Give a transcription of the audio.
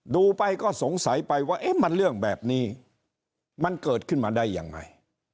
ดูไปก็สงสัยไปว่าเอ๊ะมันเรื่องแบบนี้มันเกิดขึ้นมาได้ยังไง